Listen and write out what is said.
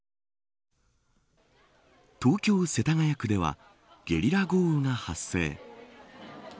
東京、世田谷区ではゲリラ豪雨が発生。